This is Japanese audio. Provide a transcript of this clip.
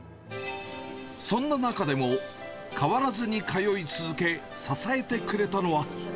そんな中でも変わらずに通い続け、支えてくれたのは。